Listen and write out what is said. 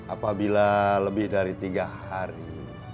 apabila lebih dari tiga hari